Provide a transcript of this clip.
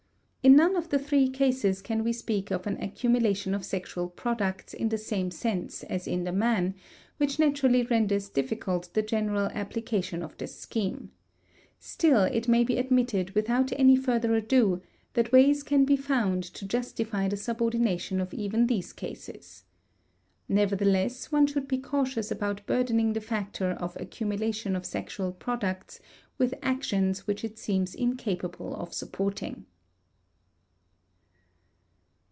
In none of the three cases can we speak of an accumulation of sexual products in the same sense as in the man, which naturally renders difficult the general application of this scheme; still it may be admitted without any further ado that ways can be found to justify the subordination of even these cases. Nevertheless one should be cautious about burdening the factor of accumulation of sexual products with actions which it seems incapable of supporting.